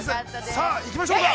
さあ、行きましょうか。